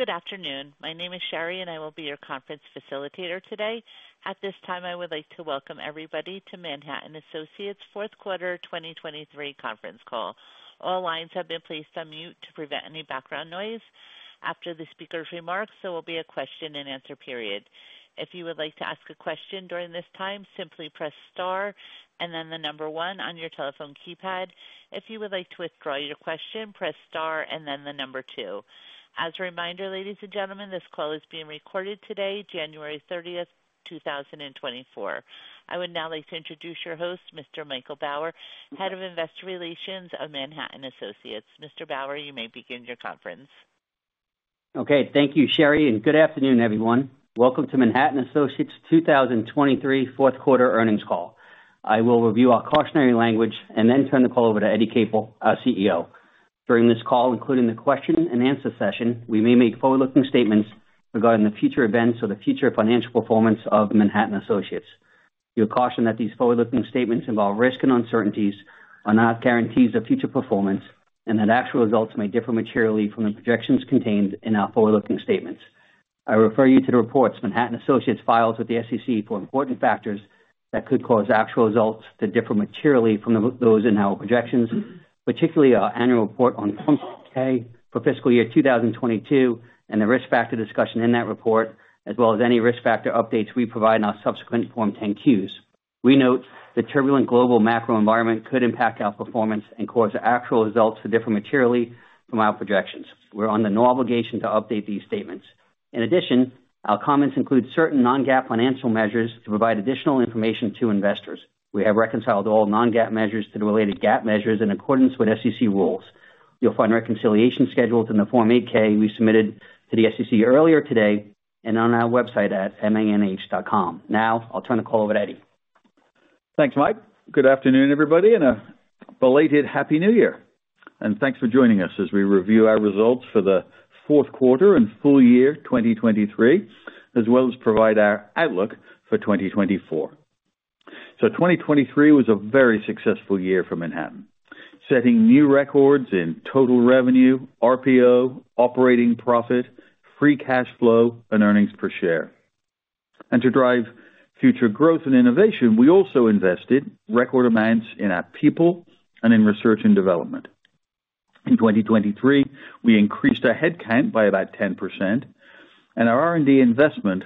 Good afternoon. My name is Sherry, and I will be your conference facilitator today. At this time, I would like to welcome everybody to Manhattan Associates' fourth quarter 2023 conference call. All lines have been placed on mute to prevent any background noise. After the speaker's remarks, there will be a question-and-answer period. If you would like to ask a question during this time, simply press star and then the one on your telephone keypad. If you would like to withdraw your question, press star and then the two. As a reminder, ladies and gentlemen, this call is being recorded today, January 30th, 2024. I would now like to introduce your host, Mr. Michael Bauer, Head of Investor Relations of Manhattan Associates. Mr. Bauer, you may begin your conference. Okay, thank you, Sherry, and good afternoon, everyone. Welcome to Manhattan Associates' 2023 fourth quarter earnings call. I will review our cautionary language and then turn the call over to Eddie Capel, our CEO. During this call, including the question and answer session, we may make forward-looking statements regarding the future events or the future financial performance of Manhattan Associates. We caution that these forward-looking statements involve risks and uncertainties, are not guarantees of future performance, and that actual results may differ materially from the projections contained in our forward-looking statements. I refer you to the reports Manhattan Associates files with the SEC for important factors that could cause actual results to differ materially from those in our projections, particularly our annual report on Form 10-K for fiscal year 2022, and the risk factor discussion in that report, as well as any risk factor updates we provide in our subsequent Form 10-Qs. We note the turbulent global macro environment could impact our performance and cause actual results to differ materially from our projections. We're under no obligation to update these statements. In addition, our comments include certain non-GAAP financial measures to provide additional information to investors. We have reconciled all non-GAAP measures to the related GAAP measures in accordance with SEC rules. You'll find reconciliation schedules in the Form 8-K we submitted to the SEC earlier today and on our website at manh.com. Now, I'll turn the call over to Eddie. Thanks, Mike. Good afternoon, everybody, and a belated Happy New Year, and thanks for joining us as we review our results for the fourth quarter and full year 2023, as well as provide our outlook for 2024. So 2023 was a very successful year for Manhattan, setting new records in total revenue, RPO, operating profit, free cash flow, and earnings per share. And to drive future growth and innovation, we also invested record amounts in our people and in research and development. In 2023, we increased our headcount by about 10%, and our R&D investment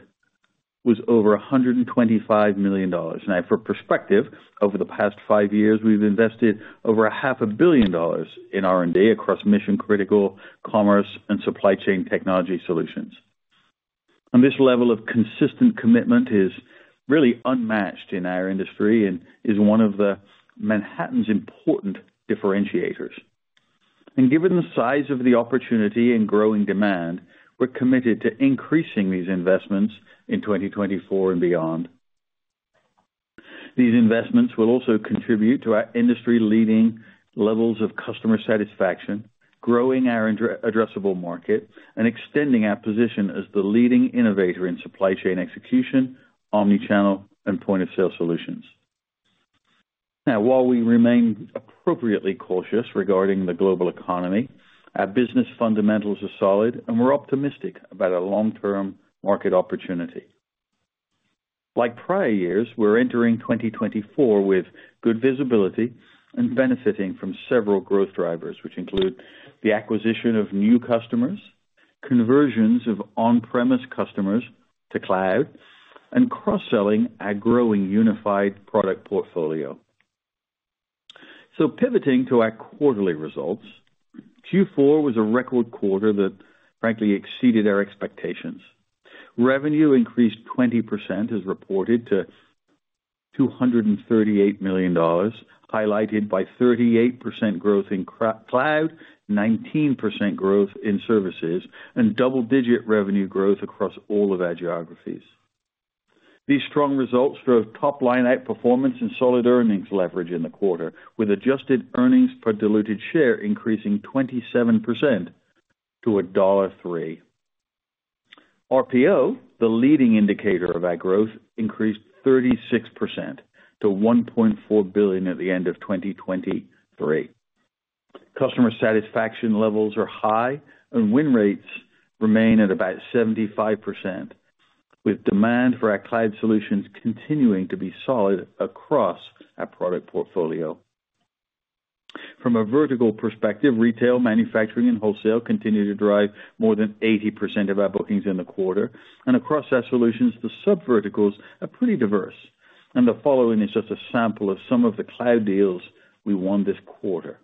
was over $125 million. Now, for perspective, over the past five years, we've invested over $500 million in R&D across mission-critical, commerce, and supply chain technology solutions. This level of consistent commitment is really unmatched in our industry and is one of the Manhattan's important differentiators. Given the size of the opportunity and growing demand, we're committed to increasing these investments in 2024 and beyond. These investments will also contribute to our industry-leading levels of customer satisfaction, growing our total addressable market, and extending our position as the leading innovator in supply chain execution, omnichannel, and point-of-sale solutions. Now, while we remain appropriately cautious regarding the global economy, our business fundamentals are solid, and we're optimistic about our long-term market opportunity. Like prior years, we're entering 2024 with good visibility and benefiting from several growth drivers, which include the acquisition of new customers, conversions of on-premise customers to cloud, and cross-selling our growing unified product portfolio. Pivoting to our quarterly results, Q4 was a record quarter that frankly exceeded our expectations. Revenue increased 20% as reported to $238 million, highlighted by 38% growth in cloud, 19% growth in services, and double-digit revenue growth across all of our geographies. These strong results drove top-line outperformance and solid earnings leverage in the quarter, with adjusted earnings per diluted share increasing 27% to $1.03. RPO, the leading indicator of our growth, increased 36% to $1.4 billion at the end of 2023. Customer satisfaction levels are high, and win rates remain at about 75%, with demand for our cloud solutions continuing to be solid across our product portfolio. From a vertical perspective, retail, manufacturing, and wholesale continue to drive more than 80% of our bookings in the quarter. Across our solutions, the sub verticals are pretty diverse. The following is just a sample of some of the cloud deals we won this quarter: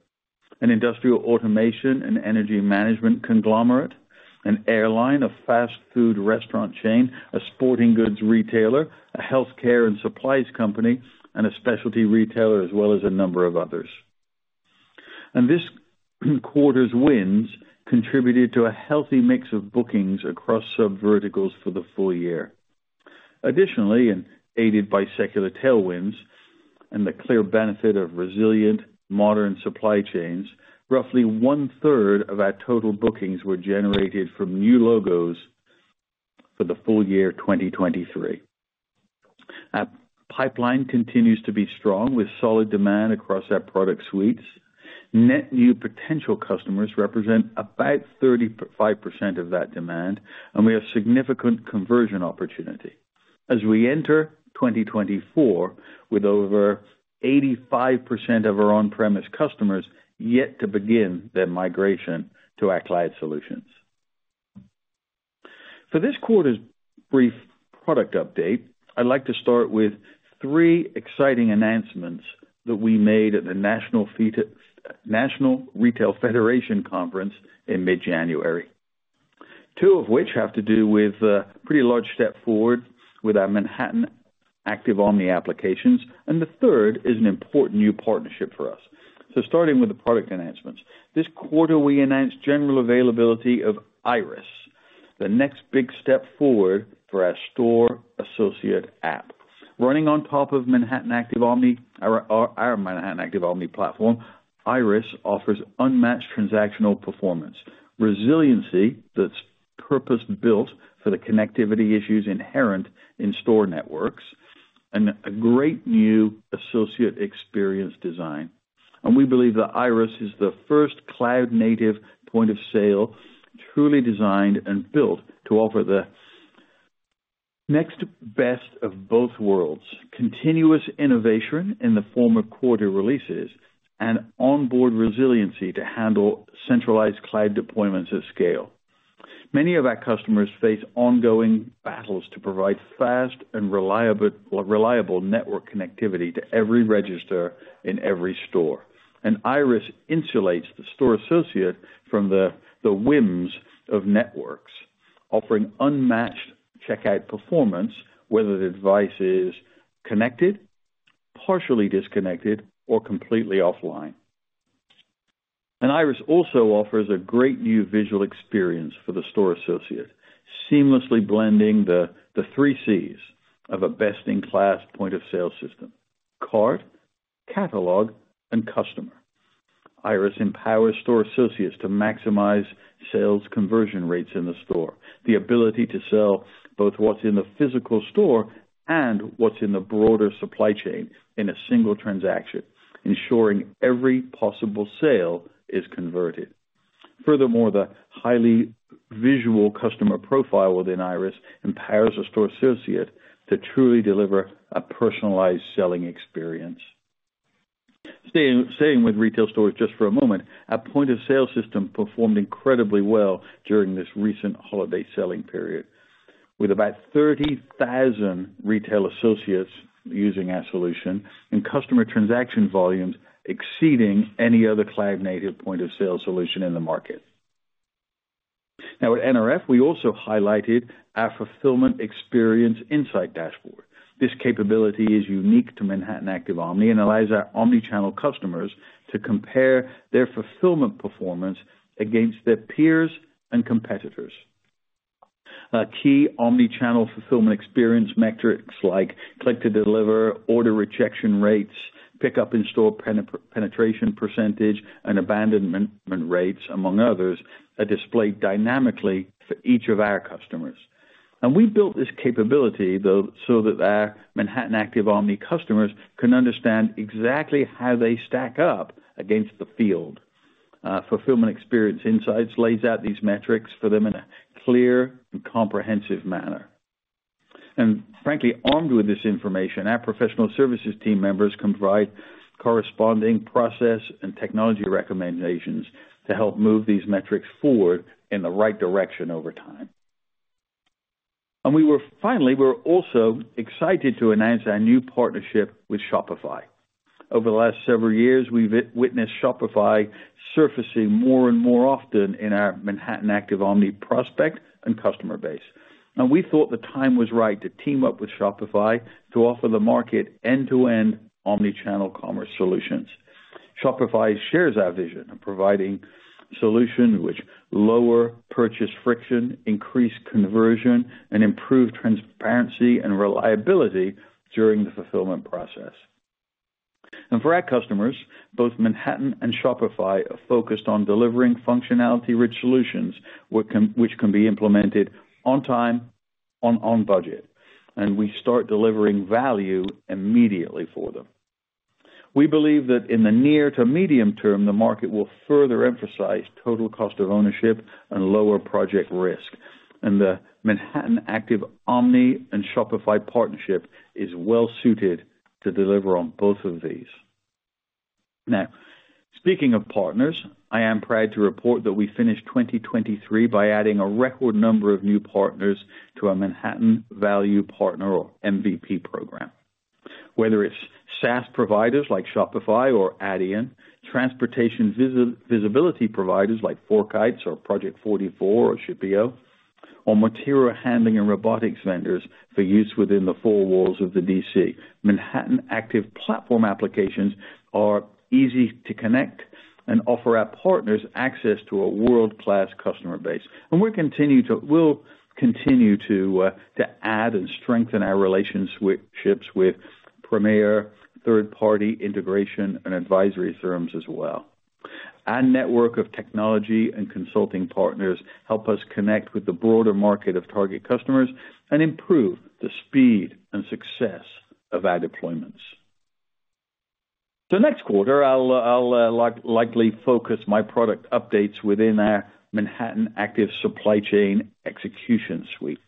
an industrial automation and energy management conglomerate, an airline, a fast food restaurant chain, a sporting goods retailer, a healthcare and supplies company, and a specialty retailer, as well as a number of others. This quarter's wins contributed to a healthy mix of bookings across sub verticals for the full year. Additionally, and aided by secular tailwinds and the clear benefit of resilient modern supply chains, roughly one-third of our total bookings were generated from new logos for the full year 2023.... Our pipeline continues to be strong, with solid demand across our product suites. Net new potential customers represent about 35% of that demand, and we have significant conversion opportunity as we enter 2024, with over 85% of our on-premise customers yet to begin their migration to our cloud solutions. For this quarter's brief product update, I'd like to start with three exciting announcements that we made at the National Retail Federation Conference in mid-January. Two of which have to do with a pretty large step forward with our Manhattan Active Omni applications, and the third is an important new partnership for us. So starting with the product enhancements. This quarter, we announced general availability of Iris, the next big step forward for our store associate app. Running on top of Manhattan Active Omni, our Manhattan Active Omni platform, Iris offers unmatched transactional performance, resiliency that's purpose-built for the connectivity issues inherent in store networks, and a great new associate experience design. We believe that Iris is the first cloud-native Point of Sale, truly designed and built to offer the next best of both worlds, continuous innovation in the form of quarter releases and onboard resiliency to handle centralized cloud deployments at scale. Many of our customers face ongoing battles to provide fast and reliable network connectivity to every register in every store. Iris insulates the store associate from the whims of networks, offering unmatched checkout performance, whether the device is connected, partially disconnected, or completely offline. Iris also offers a great new visual experience for the store associate, seamlessly blending the three Cs of a best-in-class point-of-sale system: cart, catalog, and customer. Iris empowers store associates to maximize sales conversion rates in the store, the ability to sell both what's in the physical store and what's in the broader supply chain in a single transaction, ensuring every possible sale is converted. Furthermore, the highly visual customer profile within Iris empowers a store associate to truly deliver a personalized selling experience. Staying with retail stores just for a moment, our point-of-sale system performed incredibly well during this recent holiday selling period, with about 30,000 retail associates using our solution and customer transaction volumes exceeding any other cloud-native point-of-sale solution in the market. Now, at NRF, we also highlighted our Fulfillment Experience Insight dashboard. This capability is unique to Manhattan Active Omni and allows our omni-channel customers to compare their fulfillment performance against their peers and competitors. Key omni-channel fulfillment experience metrics like click to deliver, order rejection rates, pickup in store penetration percentage, and abandonment rates, among others, are displayed dynamically for each of our customers. We built this capability though, so that our Manhattan Active Omni customers can understand exactly how they stack up against the field. Fulfillment Experience Insights lays out these metrics for them in a clear and comprehensive manner. And frankly, armed with this information, our professional services team members can provide corresponding process and technology recommendations to help move these metrics forward in the right direction over time. Finally, we're also excited to announce our new partnership with Shopify. Over the last several years, we've witnessed Shopify surfacing more and more often in our Manhattan Active Omni prospect and customer base. We thought the time was right to team up with Shopify to offer the market end-to-end omnichannel commerce solutions. Shopify shares our vision of providing solutions which lower purchase friction, increase conversion, and improve transparency and reliability during the fulfillment process. For our customers, both Manhattan and Shopify are focused on delivering functionality-rich solutions, which can be implemented on time, on budget, and we start delivering value immediately for them. We believe that in the near to medium term, the market will further emphasize total cost of ownership and lower project risk. The Manhattan Active Omni and Shopify partnership is well suited to deliver on both of these. Now, speaking of partners, I am proud to report that we finished 2023 by adding a record number of new partners to our Manhattan Value Partner or MVP program. Whether it's SaaS providers like Shopify or Adyen, transportation visibility providers like FourKites or project44 or Shippeo, or material handling and robotics vendors for use within the four walls of the DC, Manhattan Active Platform applications are easy to connect and offer our partners access to a world-class customer base. And we'll continue to add and strengthen our relationships with premier third-party integration and advisory firms as well. Our network of technology and consulting partners help us connect with the broader market of target customers and improve the speed and success of our deployments. So next quarter, I'll likely focus my product updates within our Manhattan Active Supply Chain execution suite.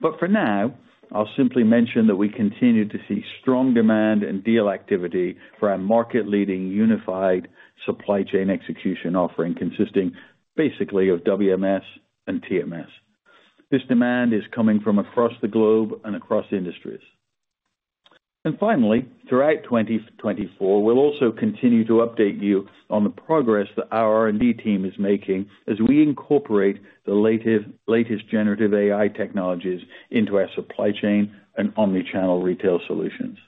But for now, I'll simply mention that we continue to see strong demand and deal activity for our market-leading unified supply chain execution offering, consisting basically of WMS and TMS. This demand is coming from across the globe and across industries. And finally, throughout 2024, we'll also continue to update you on the progress that our R&D team is making as we incorporate the latest generative AI technologies into our supply chain and omnichannel retail solutions.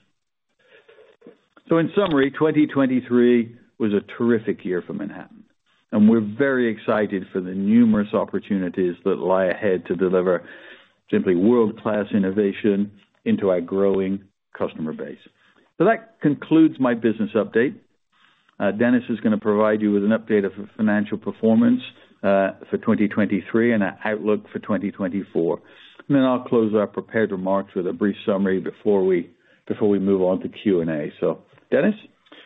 So in summary, 2023 was a terrific year for Manhattan, and we're very excited for the numerous opportunities that lie ahead to deliver simply world-class innovation into our growing customer base. So that concludes my business update. Dennis is gonna provide you with an update of the financial performance for 2023 and an outlook for 2024. And then I'll close our prepared remarks with a brief summary before we, before we move on to Q&A. So, Dennis?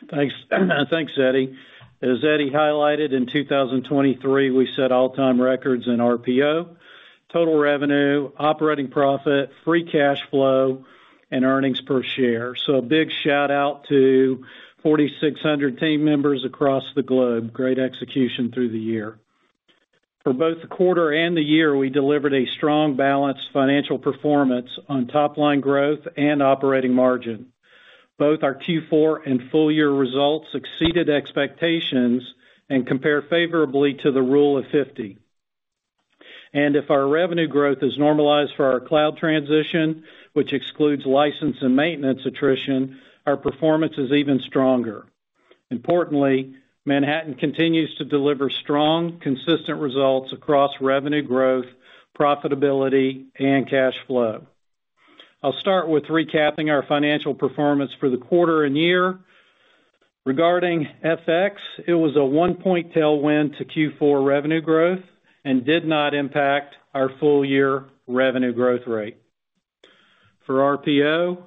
Thanks. Thanks, Eddie. As Eddie highlighted, in 2023, we set all-time records in RPO, total revenue, operating profit, free cash flow, and earnings per share. So a big shout-out to 4,600 team members across the globe. Great execution through the year. For both the quarter and the year, we delivered a strong, balanced financial performance on top line growth and operating margin. Both our Q4 and full year results exceeded expectations and compared favorably to the Rule of 50. And if our revenue growth is normalized for our cloud transition, which excludes license and maintenance attrition, our performance is even stronger. Importantly, Manhattan continues to deliver strong, consistent results across revenue growth, profitability, and cash flow. I'll start with recapping our financial performance for the quarter and year. Regarding FX, it was a 1-point tailwind to Q4 revenue growth and did not impact our full-year revenue growth rate. For RPO,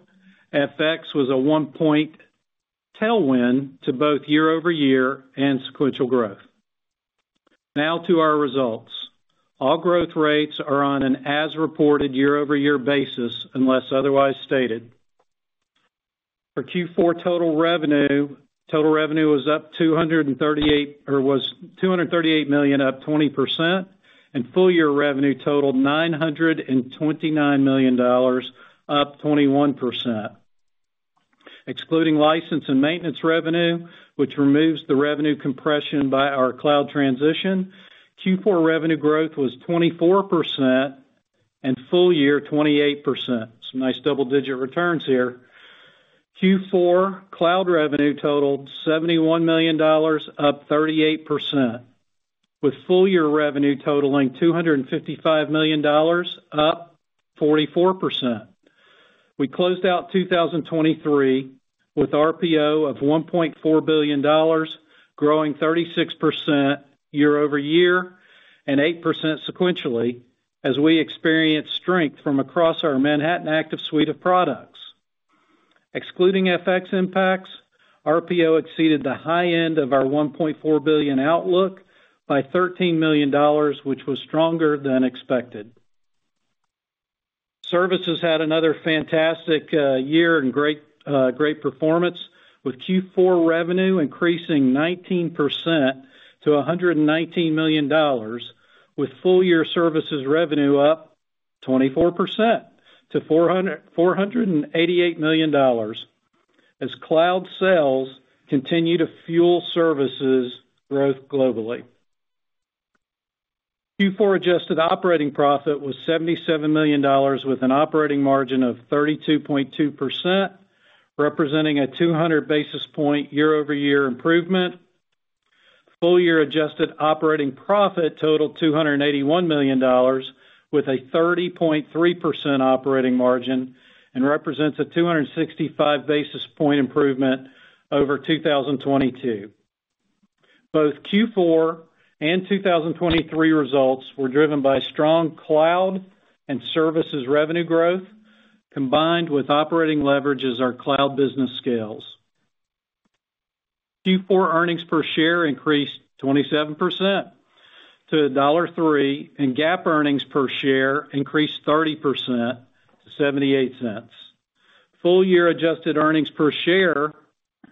FX was a 1-point tailwind to both year-over-year and sequential growth. Now to our results. All growth rates are on an as-reported year-over-year basis, unless otherwise stated. For Q4 total revenue, total revenue was up 238, or was $238 million, up 20%, and full year revenue totaled $929 million, up 21%. Excluding license and maintenance revenue, which removes the revenue compression by our cloud transition, Q4 revenue growth was 24% and full year, 28%. Some nice double-digit returns here. Q4 cloud revenue totaled $71 million, up 38%, with full year revenue totaling $255 million, up 44%. We closed out 2023 with RPO of $1.4 billion, growing 36% year-over-year and 8% sequentially, as we experienced strength from across our Manhattan Active suite of products. Excluding FX impacts, RPO exceeded the high end of our $1.4 billion outlook by $13 million, which was stronger than expected. Services had another fantastic year and great, great performance, with Q4 revenue increasing 19% to $119 million, with full-year services revenue up 24% to $488 million as cloud sales continue to fuel services growth globally. Q4 adjusted operating profit was $77 million, with an operating margin of 32.2%, representing a 200 basis point year-over-year improvement. Full-year adjusted operating profit totaled $281 million, with a 30.3% operating margin and represents a 265 basis point improvement over 2022. Both Q4 and 2023 results were driven by strong cloud and services revenue growth, combined with operating leverage as our cloud business scales. Q4 earnings per share increased 27% to $1.03, and GAAP earnings per share increased 30% to $0.78. Full year adjusted earnings per share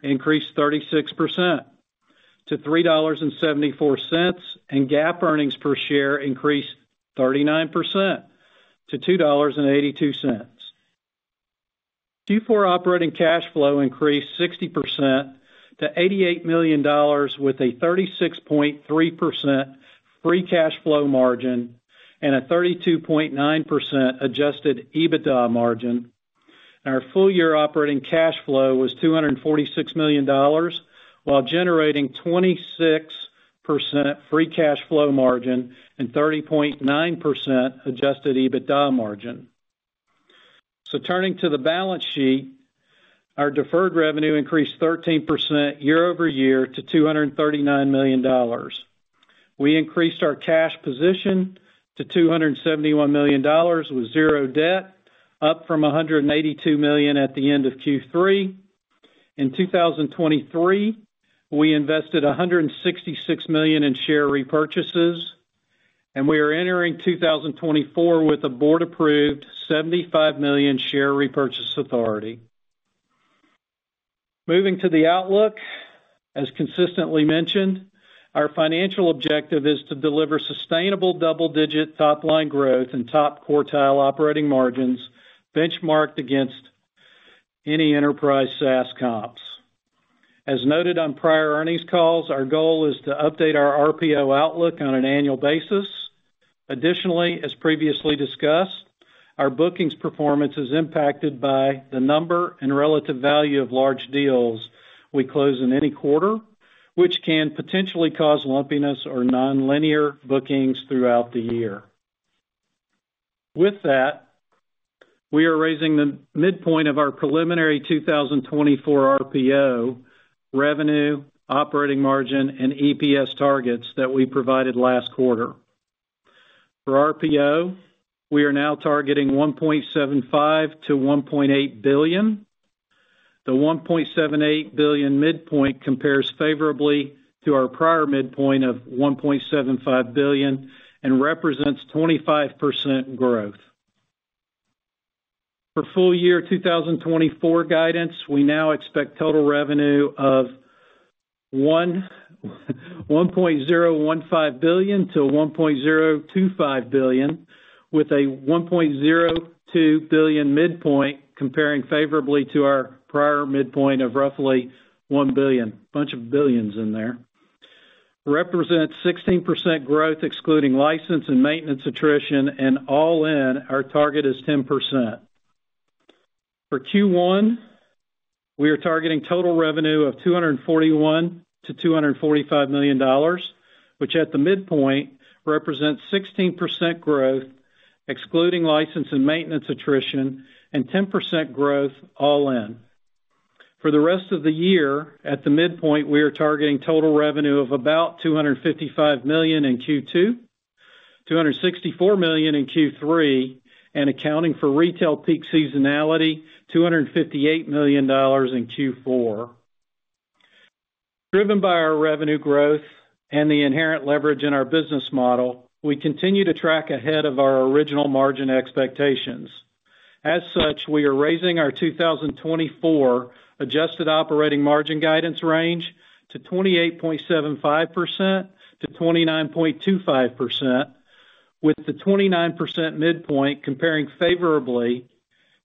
increased 36% to $3.74, and GAAP earnings per share increased 39% to $2.82. Q4 operating cash flow increased 60% to $88 million, with a 36.3% free cash flow margin and a 32.9% adjusted EBITDA margin. Our full-year operating cash flow was $246 million, while generating 26% free cash flow margin and 30.9% adjusted EBITDA margin. Turning to the balance sheet, our deferred revenue increased 13% year-over-year to $239 million. We increased our cash position to $271 million, with zero debt, up from $182 million at the end of Q3. In 2023, we invested $166 million in share repurchases, and we are entering 2024 with a board-approved $75 million share repurchase authority. Moving to the outlook, as consistently mentioned, our financial objective is to deliver sustainable double-digit top-line growth and top-quartile operating margins, benchmarked against any enterprise SaaS comps. As noted on prior earnings calls, our goal is to update our RPO outlook on an annual basis. Additionally, as previously discussed, our bookings performance is impacted by the number and relative value of large deals we close in any quarter, which can potentially cause lumpiness or nonlinear bookings throughout the year. With that, we are raising the midpoint of our preliminary 2024 RPO revenue, operating margin, and EPS targets that we provided last quarter. For RPO, we are now targeting $1.75 billion-$1.8 billion. The $1.78 billion midpoint compares favorably to our prior midpoint of $1.75 billion and represents 25% growth. For full year 2024 guidance, we now expect total revenue of $1.015 billion-$1.025 billion, with a $1.02 billion midpoint, comparing favorably to our prior midpoint of roughly $1 billion. Bunch of billions in there. Represents 16% growth, excluding license and maintenance attrition, and all in, our target is 10%. For Q1, we are targeting total revenue of $241 million-$245 million, which at the midpoint, represents 16% growth, excluding license and maintenance attrition, and 10% growth all in. For the rest of the year, at the midpoint, we are targeting total revenue of about $255 million in Q2, $264 million in Q3, and accounting for retail peak seasonality, $258 million in Q4. Driven by our revenue growth and the inherent leverage in our business model, we continue to track ahead of our original margin expectations. As such, we are raising our 2024 adjusted operating margin guidance range to 28.75%-29.25%, with the 29% midpoint comparing favorably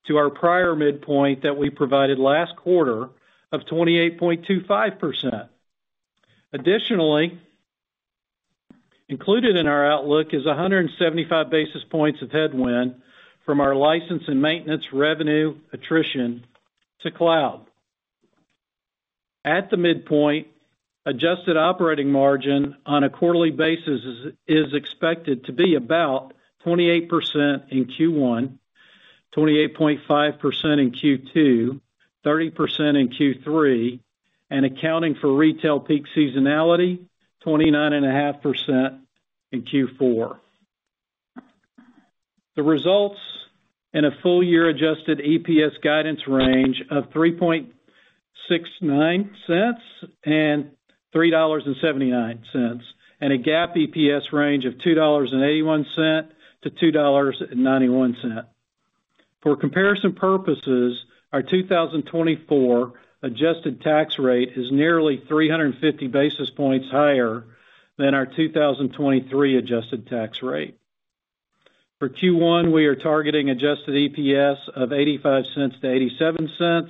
to our prior midpoint that we provided last quarter of 28.25%. Additionally, included in our outlook is 175 basis points of headwind from our license and maintenance revenue attrition to cloud. At the midpoint, a0djusted operating margin on a quarterly basis is expected to be about 28% in Q1, 28.5% in Q2, 30% in Q3, and accounting for retail peak seasonality, 29.5% in Q4. The results in a full year Adjusted EPS guidance range of $3.69-$3.79, and a GAAP EPS range of $2.81-$2.91. For comparison purposes, our 2024 adjusted tax rate is nearly 350 basis points higher than our 2023 adjusted tax rate. For Q1, we are targeting Adjusted EPS of $0.85-$0.87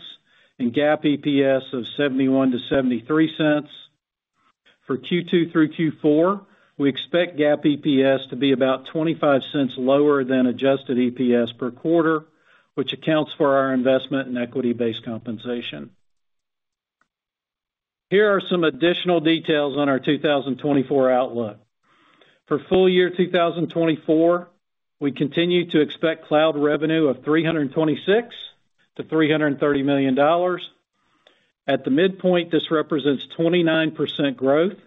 and GAAP EPS of $0.71-$0.73. For Q2 through Q4, we expect GAAP EPS to be about $0.25 lower than Adjusted EPS per quarter, which accounts for our investment in equity-based compensation. Here are some additional details on our 2024 outlook. For full year 2024, we continue to expect cloud revenue of $326 million-$330 million. At the midpoint, this represents 29% growth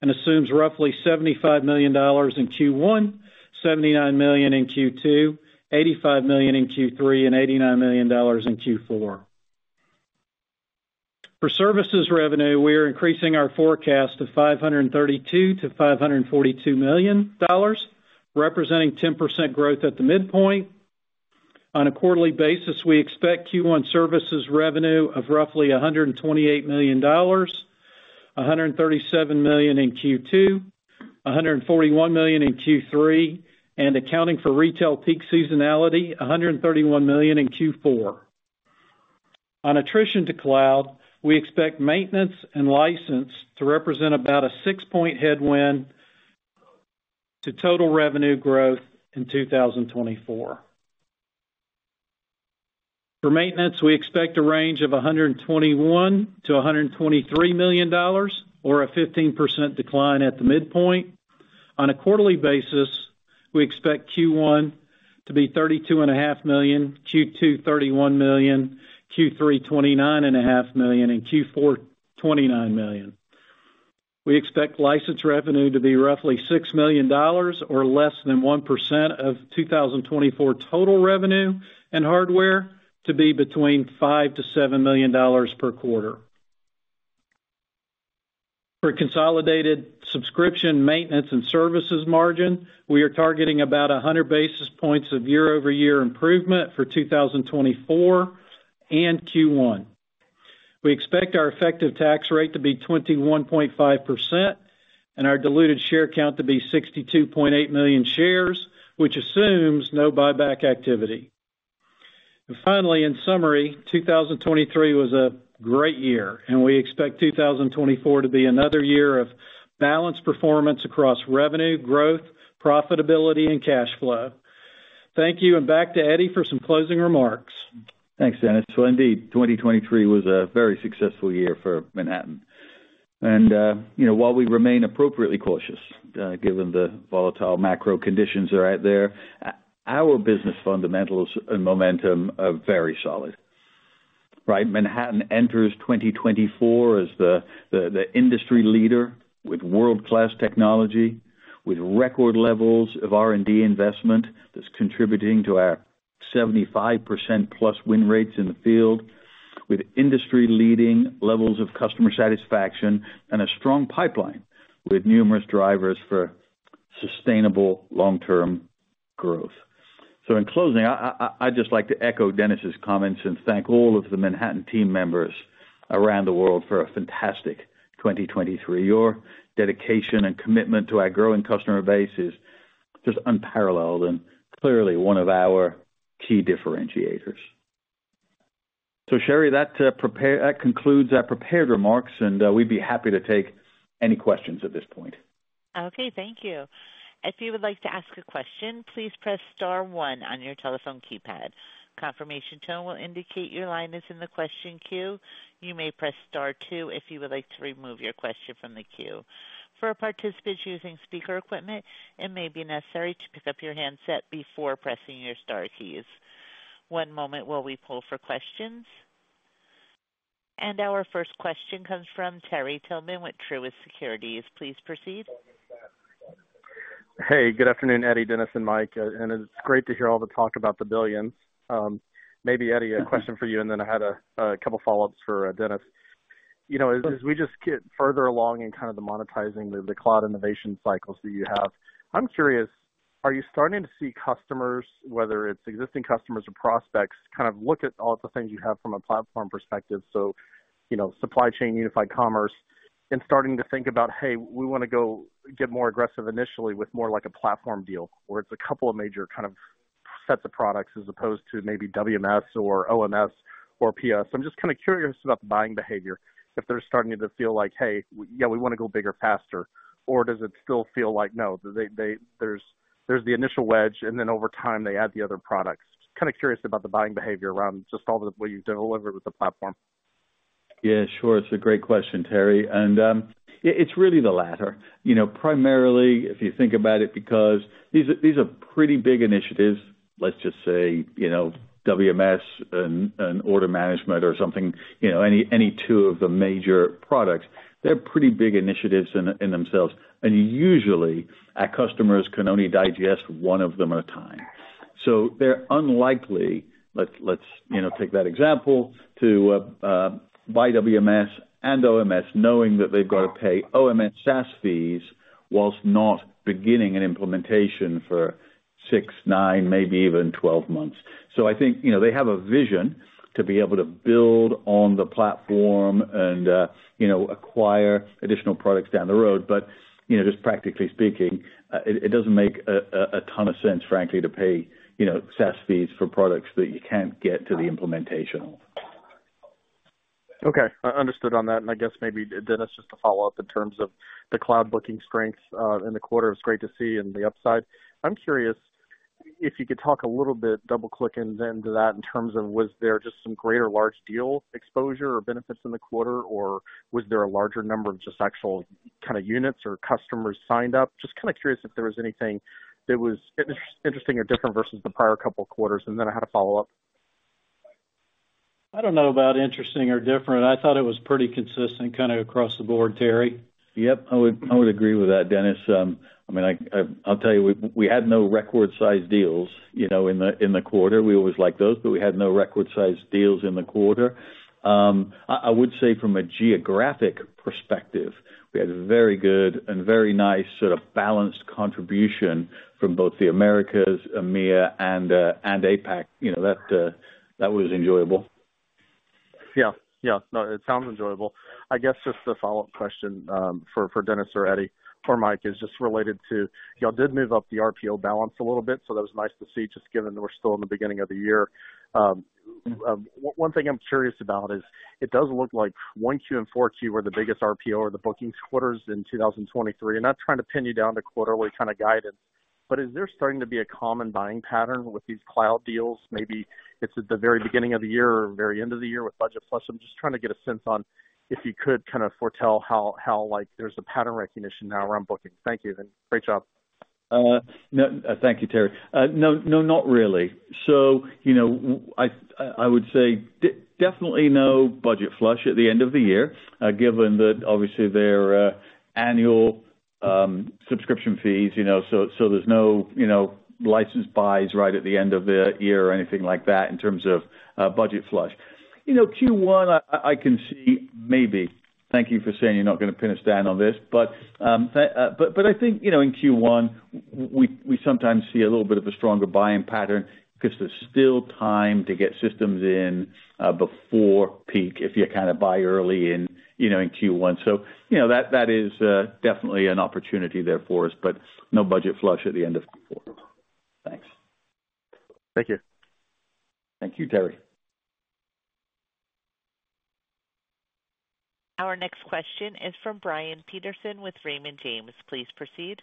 and assumes roughly $75 million in Q1, $79 million in Q2, $85 million in Q3, and $89 million in Q4. For services revenue, we are increasing our forecast of $532 million-$542 million, representing 10% growth at the midpoint. On a quarterly basis, we expect Q1 services revenue of roughly $128 million, $137 million in Q2, $141 million in Q3, and accounting for retail peak seasonality, $131 million in Q4. On transition to cloud, we expect maintenance and license to represent about a 6-point headwind to total revenue growth in 2024. For maintenance, we expect a range of $121 million-$123 million, or a 15% decline at the midpoint. On a quarterly basis, we expect Q1 to be $32.5 million, Q2 $31 million, Q3 $29.5 million, and Q4 $29 million. We expect license revenue to be roughly $6 million, or less than 1% of 2024 total revenue, and hardware to be between $5 million-$7 million per quarter. For consolidated subscription, maintenance, and services margin, we are targeting about 100 basis points of year-over-year improvement for 2024 and Q1. We expect our effective tax rate to be 21.5% and our diluted share count to be 62.8 million shares, which assumes no buyback activity. And finally, in summary, 2023 was a great year, and we expect 2024 to be another year of balanced performance across revenue, growth, profitability, and cash flow. Thank you, and back to Eddie for some closing remarks. Thanks, Dennis. So indeed, 2023 was a very successful year for Manhattan. And, you know, while we remain appropriately cautious, given the volatile macro conditions that are out there, our business fundamentals and momentum are very solid, right? Manhattan enters 2024 as the industry leader with world-class technology, with record levels of R&D investment that's contributing to our 75%+ win rates in the field, with industry-leading levels of customer satisfaction and a strong pipeline with numerous drivers for sustainable long-term growth. So in closing, I'd just like to echo Dennis's comments and thank all of the Manhattan team members around the world for a fantastic 2023. Your dedication and commitment to our growing customer base is just unparalleled and clearly one of our key differentiators. So Sherry, that concludes our prepared remarks, and we'd be happy to take any questions at this point. Okay. Thank you. If you would like to ask a question, please press star one on your telephone keypad. Confirmation tone will indicate your line is in the question queue. You may press star two if you would like to remove your question from the queue. For participants using speaker equipment, it may be necessary to pick up your handset before pressing your star keys. One moment while we pull for questions. Our first question comes from Terry Tillman with Truist Securities. Please proceed. Hey, good afternoon, Eddie, Dennis, and Mike, and it's great to hear all the talk about the billion. Maybe Eddie, a question for you, and then I had a couple follow-ups for Dennis. You know, as we just get further along in kind of the monetizing the cloud innovation cycles that you have, I'm curious, are you starting to see customers, whether it's existing customers or prospects, kind of look at all the things you have from a platform perspective, so, you know, supply chain, unified commerce, and starting to think about, hey, we wanna go get more aggressive initially with more like a platform deal, where it's a couple of major kind of sets of products, as opposed to maybe WMS or OMS or PS? I'm just kind of curious about the buying behavior, if they're starting to feel like, "Hey, yeah, we want to go bigger, faster," or does it still feel like, no, there's the initial wedge, and then over time, they add the other products? Kind of curious about the buying behavior around just all the, what you deliver with the platform. Yeah, sure. It's a great question, Terry, and it's really the latter. You know, primarily, if you think about it, because these are pretty big initiatives. Let's just say, you know, WMS and order management or something, you know, any two of the major products, they're pretty big initiatives in themselves, and usually, our customers can only digest one of them at a time. So they're unlikely, let's you know, take that example, to buy WMS and OMS, knowing that they've got to pay OMS SaaS fees while not beginning an implementation for six, nine, maybe even 12 months. So I think, you know, they have a vision to be able to build on the platform and you know, acquire additional products down the road. But, you know, just practically speaking, it doesn't make a ton of sense, frankly, to pay, you know, SaaS fees for products that you can't get to the implementation of. Okay, understood on that. And I guess maybe, Dennis, just to follow up in terms of the cloud booking strengths in the quarter, it's great to see and the upside. I'm curious if you could talk a little bit, double-clicking then to that, in terms of was there just some greater large deal exposure or benefits in the quarter, or was there a larger number of just actual kind of units or customers signed up? Just kind of curious if there was anything that was interesting or different versus the prior couple of quarters. And then I had a follow-up. I don't know about interesting or different. I thought it was pretty consistent, kind of across the board, Terry. Yep, I would, I would agree with that, Dennis. I mean, I'll tell you, we, we had no record-sized deals, you know, in the, in the quarter. We always like those, but we had no record-sized deals in the quarter. I would say from a geographic perspective, we had very good and very nice sort of balanced contribution from both the Americas, EMEA and, and APAC. You know, that, that was enjoyable. Yeah. Yeah. No, it sounds enjoyable. I guess just a follow-up question for Dennis or Eddie or Mike is just related to... Y'all did move up the RPO balance a little bit, so that was nice to see, just given that we're still in the beginning of the year. One thing I'm curious about is it does look like Q1 and Q4 were the biggest RPO or the bookings quarters in 2023. I'm not trying to pin you down to quarterly kind of guidance. But is there starting to be a common buying pattern with these cloud deals? Maybe it's at the very beginning of the year or very end of the year with budget flush. I'm just trying to get a sense on, if you could kind of foretell how, like, there's a pattern recognition now around booking. Thank you, and great job. No. Thank you, Terry. No, no, not really. So, you know, I would say definitely no budget flush at the end of the year, given that obviously they're annual subscription fees, you know, so, so there's no, you know, license buys right at the end of the year or anything like that in terms of budget flush. You know, Q1, I can see maybe. Thank you for saying you're not gonna pin us down on this. But I think, you know, in Q1, we sometimes see a little bit of a stronger buying pattern because there's still time to get systems in before peak, if you kind of buy early in, you know, in Q1. You know, that, that is definitely an opportunity there for us, but no budget flush at the end of Q4. Thanks. Thank you. Thank you, Terry. Our next question is from Brian Peterson with Raymond James. Please proceed.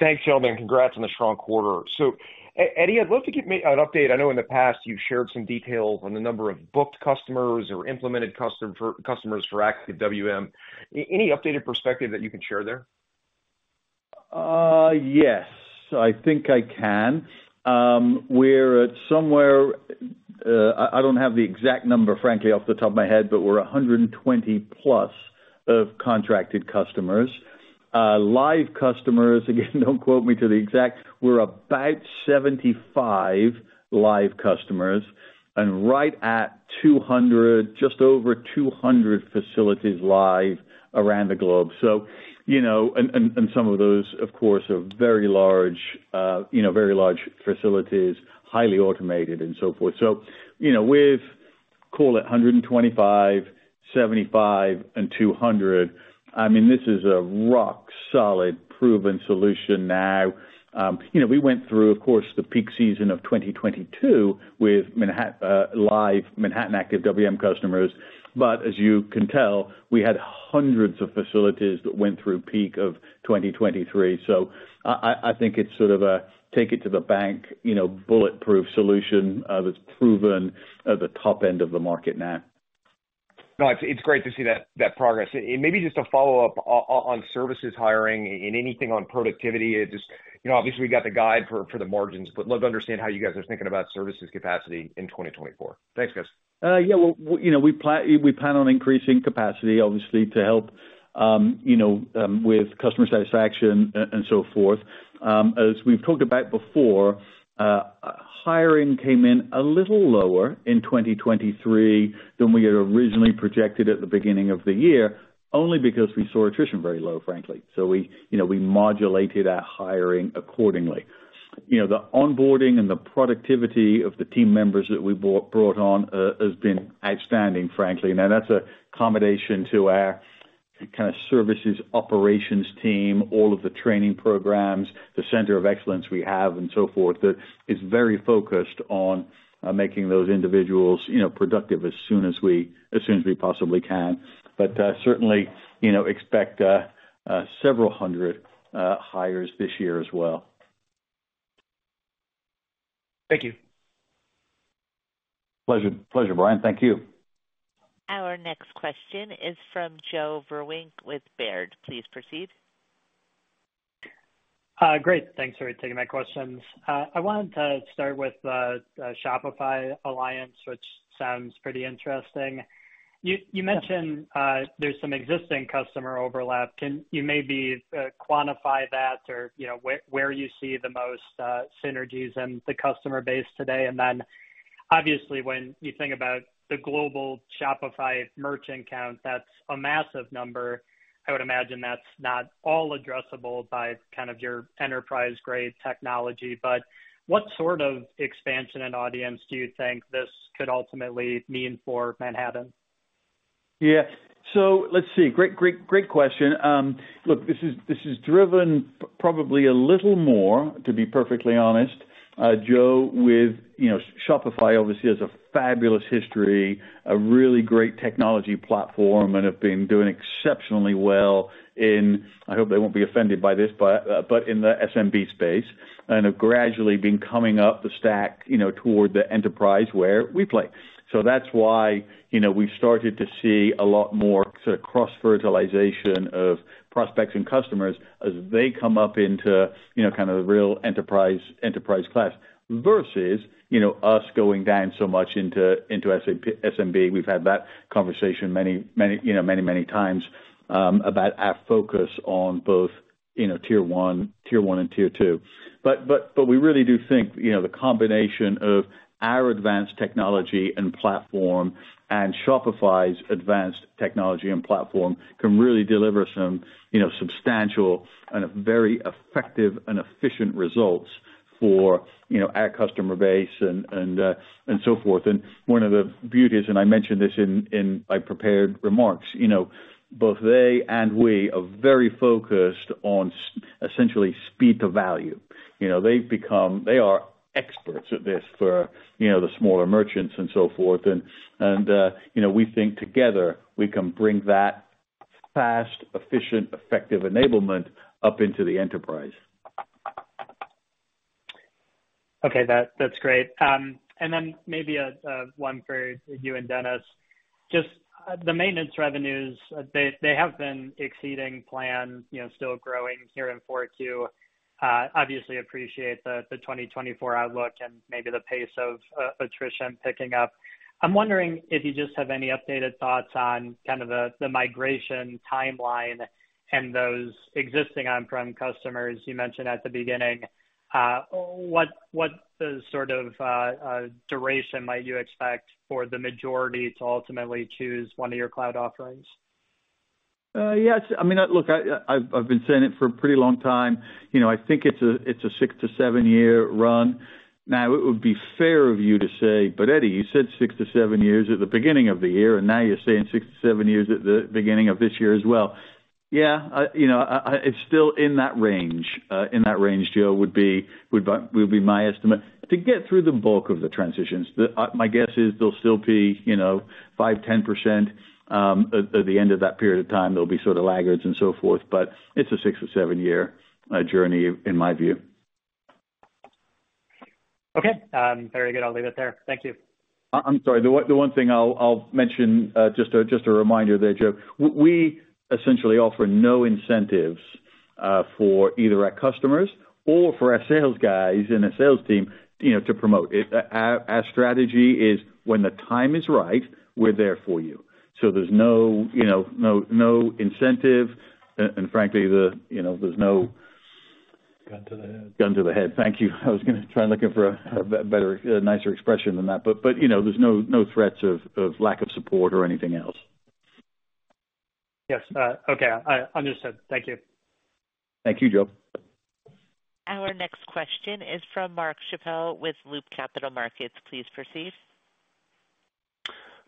Thanks, gentlemen. Congrats on the strong quarter. So, Eddie, I'd love to give me an update. I know in the past you've shared some details on the number of booked customers or implemented custom customers for Active WM. Any updated perspective that you can share there? Yes, I think I can. We're at somewhere, I don't have the exact number, frankly, off the top of my head, but we're 120+ contracted customers. Live customers, again, don't quote me to the exact, we're about 75 live customers and right at 200, just over 200 facilities live around the globe. So, you know, and some of those, of course, are very large, you know, very large facilities, highly automated and so forth. So, you know, with, call it 125, 75, and 200, I mean, this is a rock solid, proven solution now. You know, we went through, of course, the peak season of 2022 with live Manhattan Active WM customers, but as you can tell, we had hundreds of facilities that went through peak of 2023. So I think it's sort of a take it to the bank, you know, bulletproof solution that's proven at the top end of the market now. No, it's great to see that progress. And maybe just a follow-up on services hiring and anything on productivity. Just, you know, obviously, we got the guide for the margins, but love to understand how you guys are thinking about services capacity in 2024. Thanks, guys. Yeah, well, you know, we plan on increasing capacity, obviously, to help, you know, with customer satisfaction and so forth. As we've talked about before, hiring came in a little lower in 2023 than we had originally projected at the beginning of the year, only because we saw attrition very low, frankly. So we, you know, we modulated our hiring accordingly. You know, the onboarding and the productivity of the team members that we brought on has been outstanding, frankly. Now, that's a combination to our kind of services, operations team, all of the training programs, the center of excellence we have and so forth, that is very focused on making those individuals, you know, productive as soon as we possibly can. But certainly, you know, expect several hundred hires this year as well. Thank you. Pleasure. Pleasure, Brian. Thank you. Our next question is from Joe Vruwink with Baird. Please proceed. Great. Thanks for taking my questions. I wanted to start with the Shopify alliance, which sounds pretty interesting. You mentioned there's some existing customer overlap. Can you maybe quantify that or, you know, where you see the most synergies in the customer base today? And then, obviously, when you think about the global Shopify merchant count, that's a massive number. I would imagine that's not all addressable by kind of your enterprise-grade technology, but what sort of expansion and audience do you think this could ultimately mean for Manhattan? Yeah. So let's see. Great, great, great question. Look, this is driven probably a little more, to be perfectly honest, Joe, with, you know, Shopify obviously has a fabulous history, a really great technology platform, and have been doing exceptionally well in, I hope they won't be offended by this, but, but in the SMB space, and have gradually been coming up the stack, you know, toward the enterprise where we play. So that's why, you know, we've started to see a lot more sort of cross-fertilization of prospects and customers as they come up into, you know, kind of the real enterprise, enterprise class, versus, you know, us going down so much into, into SMB. We've had that conversation many, many, you know, many, many times, about our focus on both, you know, tier one, tier one and tier two. But, but, but we really do think, you know, the combination of our advanced technology and platform and Shopify's advanced technology and platform can really deliver some, you know, substantial and a very effective and efficient results for, you know, our customer base and, and, and so forth. And one of the beauties, and I mentioned this in my prepared remarks, you know, both they and we are very focused on essentially speed to value. You know, they've become—they are experts at this for, you know, the smaller merchants and so forth, and, and, you know, we think together we can bring fast, efficient, effective enablement up into the enterprise. Okay, that, that's great. And then maybe a one for you and Dennis. Just the maintenance revenues, they have been exceeding plans, you know, still growing here in Q4. Obviously appreciate the 2024 outlook and maybe the pace of attrition picking up. I'm wondering if you just have any updated thoughts on kind of the migration timeline and those existing on-prem customers you mentioned at the beginning. What sort of duration might you expect for the majority to ultimately choose one of your cloud offerings? Yes. I mean, look, I've been saying it for a pretty long time, you know, I think it's a six-seven year run. Now, it would be fair of you to say, "But Eddie, you said six-seven years at the beginning of the year, and now you're saying six-seven years at the beginning of this year as well." Yeah, you know, it's still in that range, in that range, Joe, would be my estimate. To get through the bulk of the transitions, my guess is there'll still be, you know, 5%-10%, at the end of that period of time, there'll be sort of laggards and so forth, but it's a six or seven-year journey, in my view. Okay, very good. I'll leave it there. Thank you. I'm sorry, the one, the one thing I'll mention, just a, just a reminder there, Joe. We essentially offer no incentives for either our customers or for our sales guys and our sales team, you know, to promote it. Our strategy is when the time is right, we're there for you. So there's no, you know, no, no incentive, and frankly, the, you know, there's no- Gun to the head. Gun to the head. Thank you. I was gonna try looking for a better, a nicer expression than that, but you know, there's no threats of lack of support or anything else. Yes. Okay. I understood. Thank you. Thank you, Joe. Our next question is from Mark Schappel with Loop Capital Markets. Please proceed.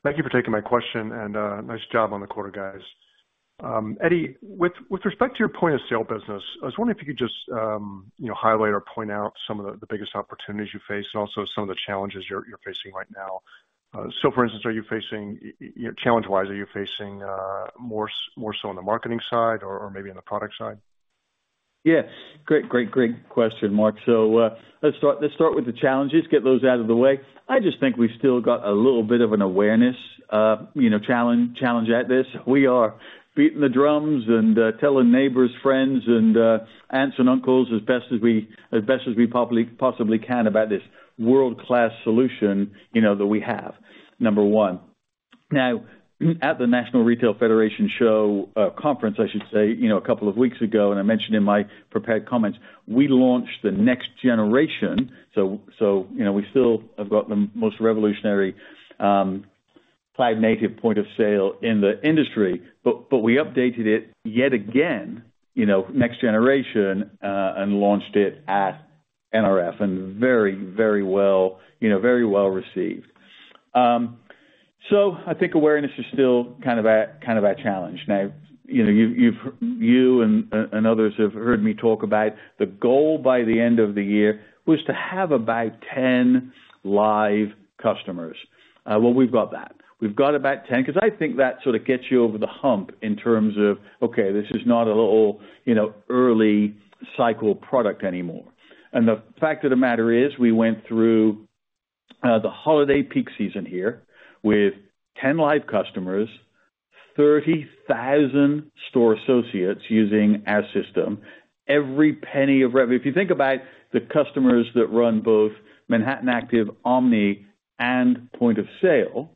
Thank you for taking my question, and, nice job on the quarter, guys. Eddie, with, with respect to your point-of-sale business, I was wondering if you could just, you know, highlight or point out some of the, the biggest opportunities you face and also some of the challenges you're, you're facing right now. So for instance, are you facing, you know, challenge-wise, are you facing, more, more so on the marketing side or, or maybe on the product side? Yeah. Great, great, great question, Mark. So, let's start, let's start with the challenges, get those out of the way. I just think we've still got a little bit of an awareness, you know, challenge, challenge at this. We are beating the drums and telling neighbors, friends, and aunts and uncles as best as we, as best as we publicly possibly can about this world-class solution, you know, that we have, number one. Now, at the National Retail Federation show, conference, I should say, you know, a couple of weeks ago, and I mentioned in my prepared comments, we launched the next generation. So, you know, we still have got the most revolutionary cloud native Point of Sale in the industry, but we updated it yet again, you know, next generation, and launched it at NRF, and very well, you know, very well received. So I think awareness is still kind of our challenge. Now, you know, you and others have heard me talk about the goal by the end of the year was to have about 10 live customers. Well, we've got that. We've got about 10, 'cause I think that sort of gets you over the hump in terms of, okay, this is not a little, you know, early cycle product anymore. And the fact of the matter is, we went through the holiday peak season here with 10 live customers, 30,000 store associates using our system, every penny of revenue if you think about the customers that run both Manhattan Active Omni and Point of Sale,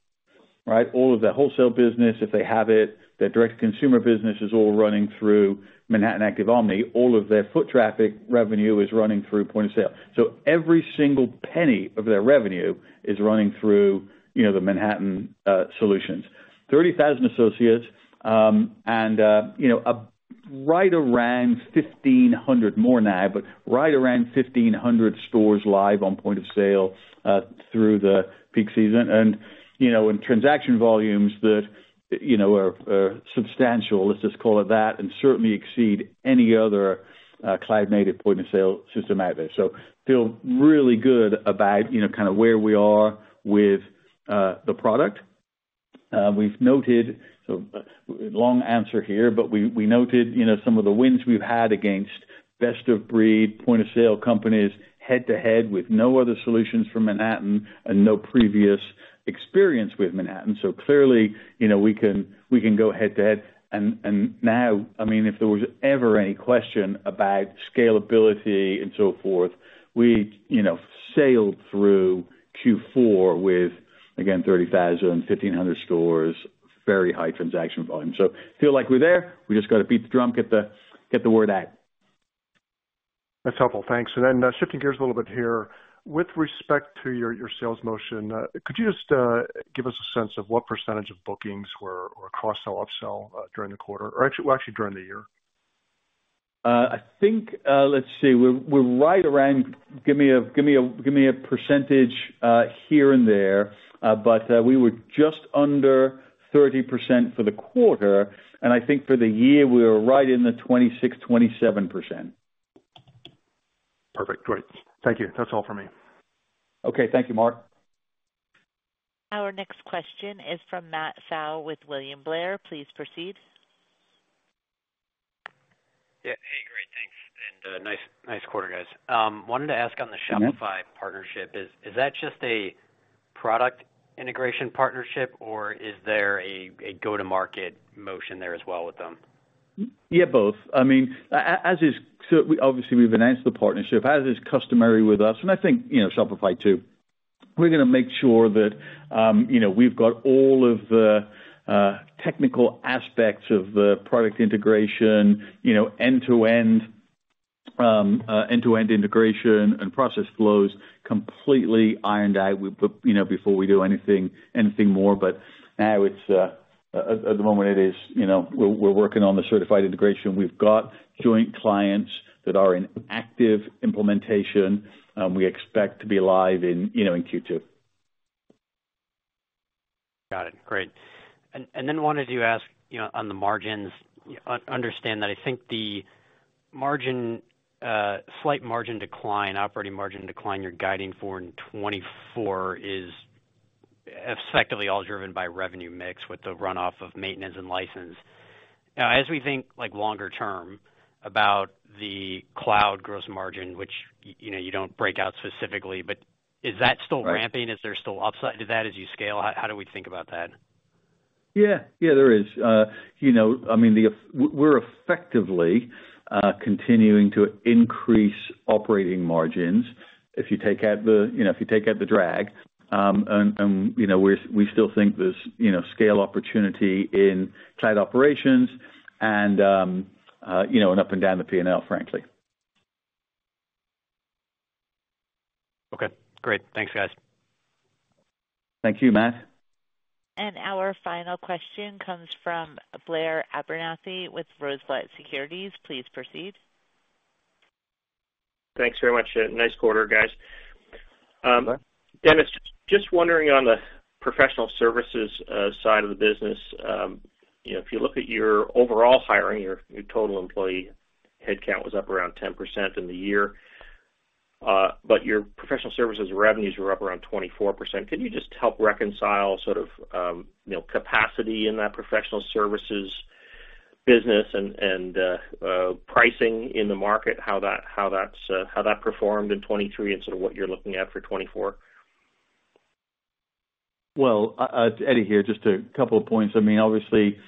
right? All of their wholesale business, if they have it, their direct consumer business is all running through Manhattan Active Omni. All of their foot traffic revenue is running through Point of Sale. So every single penny of their revenue is running through, you know, the Manhattan solutions. 30,000 associates, and you know, right around 1,500 more now, but right around 1,500 stores live on Point of Sale through the peak season. You know, and transaction volumes that, you know, are substantial, let's just call it that, and certainly exceed any other cloud-native point-of-sale system out there. So feel really good about, you know, kind of where we are with the product. We've noted, so, long answer here, but we noted, you know, some of the wins we've had against best of breed Point of Sale companies, head-to-head with no other solutions from Manhattan and no previous experience with Manhattan. So clearly, you know, we can, we can go head-to-head. And now, I mean, if there was ever any question about scalability and so forth, we, you know, sailed through Q4 with, again, 30,000, 1,500 stores, very high transaction volume. So feel like we're there. We just got to beat the drum, get the, get the word out. That's helpful. Thanks. And then, shifting gears a little bit here. With respect to your, your sales motion, could you just, give us a sense of what percentage of bookings were, were cross-sell, up-sell, during the quarter, or actually, well, actually during the year? I think, let's see. We're right around... Give me a percentage here and there, but we were just under 30% for the quarter, and I think for the year, we were right in the 26%-27%.... Perfect. Great. Thank you. That's all for me. Okay, thank you, Mark. Our next question is from Matt Pfau with William Blair. Please proceed. Yeah. Hey, great, thanks, and nice, nice quarter, guys. Wanted to ask on the Shopify partnership, is that just a product integration partnership, or is there a go-to-market motion there as well with them? Yeah, both. I mean, as is, so obviously, we've announced the partnership, as is customary with us, and I think, you know, Shopify, too. We're gonna make sure that, you know, we've got all of the technical aspects of the product integration, you know, end-to-end, end-to-end integration and process flows completely ironed out, you know, before we do anything, anything more. But now it's at the moment it is, you know, we're working on the certified integration. We've got joint clients that are in active implementation, we expect to be live in, you know, in Q2. Got it. Great. And then wanted to ask, you know, on the margins. Understand that I think the margin, slight margin decline, operating margin decline you're guiding for in 2024 is effectively all driven by revenue mix with the runoff of maintenance and license. Now, as we think, like, longer term about the cloud gross margin, which you know, you don't break out specifically, but is that still ramping? Right. Is there still upside to that as you scale? How do we think about that? Yeah. Yeah, there is. You know, I mean, we're effectively continuing to increase operating margins if you take out the, you know, if you take out the drag. And, you know, we're, we still think there's, you know, scale opportunity in cloud operations and, you know, and up and down the PNL, frankly. Okay, great. Thanks, guys. Thank you, Matt. Our final question comes from Blair Abernethy with Rosenblatt Securities. Please proceed. Thanks very much. Nice quarter, guys. Okay. Dennis, just wondering on the professional services side of the business, you know, if you look at your overall hiring, your total employee headcount was up around 10% in the year, but your professional services revenues were up around 24%. Can you just help reconcile sort of, you know, capacity in that professional services business and, and pricing in the market, how that, how that's, how that performed in 2023 and sort of what you're looking at for 2024? Well, Eddie here, just a couple of points. I mean, obviously,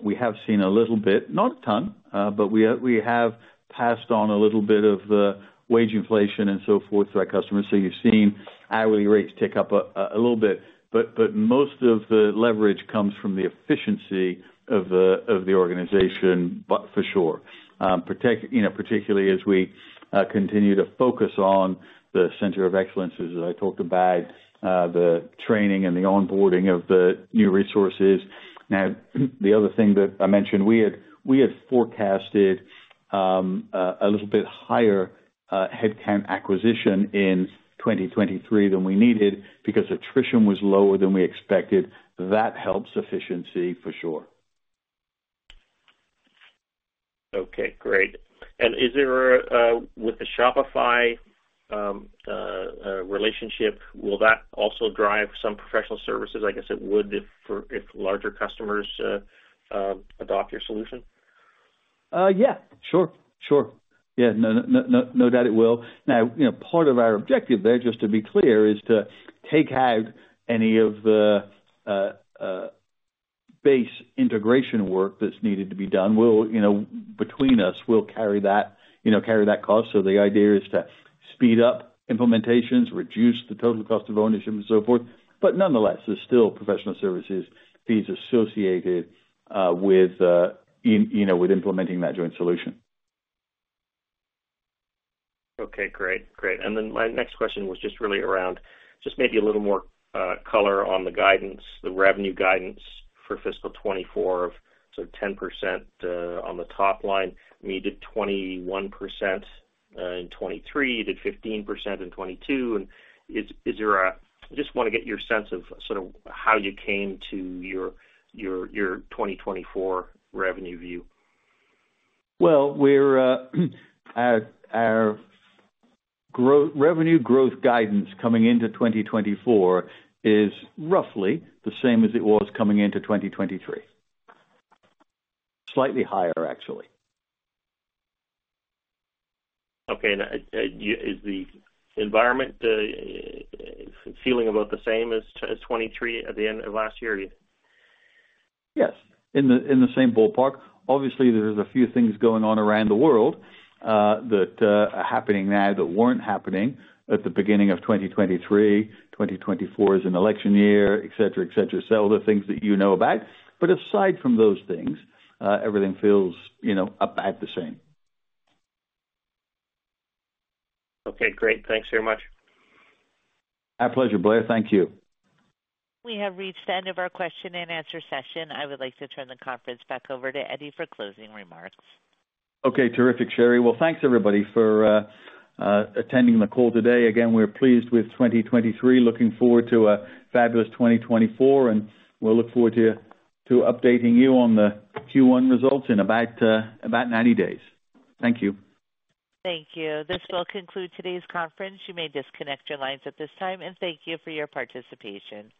we have seen a little bit, not a ton, but we have passed on a little bit of wage inflation and so forth to our customers. So you've seen hourly rates tick up a little bit, but most of the leverage comes from the efficiency of the organization, but for sure. You know, particularly as we continue to focus on the centers of excellence, as I talked about, the training and the onboarding of the new resources. Now, the other thing that I mentioned, we had forecasted a little bit higher headcount acquisition in 2023 than we needed because attrition was lower than we expected. That helps efficiency for sure. Okay, great. And is there, with the Shopify relationship, will that also drive some professional services, I guess it would, if for, if larger customers, adopt your solution? Yeah, sure, sure. Yeah, no, no, no doubt it will. Now, you know, part of our objective there, just to be clear, is to take out any of the base integration work that's needed to be done. We'll, you know, between us, we'll carry that, you know, carry that cost. So the idea is to speed up implementations, reduce the total cost of ownership and so forth. But nonetheless, there's still professional services fees associated with, you know, with implementing that joint solution. Okay, great. Great. And then my next question was just really around, just maybe a little more color on the guidance, the revenue guidance for fiscal 2024 of sort of 10% on the top line. You did 21% in 2023, you did 15% in 2022. And is there a—I just wanna get your sense of sort of how you came to your 2024 revenue view. Well, our revenue growth guidance coming into 2024 is roughly the same as it was coming into 2023. Slightly higher, actually. Okay, now, is the environment feeling about the same as 2023 at the end of last year? Yes, in the same ballpark. Obviously, there's a few things going on around the world, that are happening now, that weren't happening at the beginning of 2023. 2024 is an election year, et cetera, et cetera. So all the things that you know about, but aside from those things, everything feels, you know, about the same. Okay, great. Thanks very much. My pleasure, Blair. Thank you. We have reached the end of our question and answer session. I would like to turn the conference back over to Eddie for closing remarks. Okay, terrific, Sherry. Well, thanks, everybody, for attending the call today. Again, we're pleased with 2023. Looking forward to a fabulous 2024, and we'll look forward to updating you on the Q1 results in about 90 days. Thank you. Thank you. This will conclude today's conference. You may disconnect your lines at this time, and thank you for your participation.